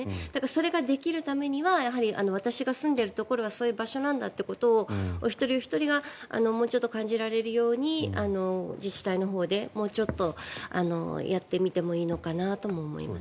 それができるためには私が住んでいるところはそういう場所なんだということをお一人お一人がもうちょっと感じられるように自治体のほうでもうちょっとやってみてもいいのかなとも思いました。